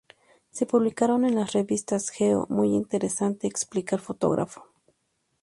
Se publicaron en las revistas "Geo", "Muy Interesante"…", explica el fotógrafo.